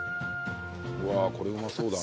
うわこれうまそうだな。